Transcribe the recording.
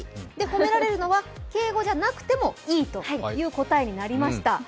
褒められるのは敬語じゃなくてもいいという答えになりました。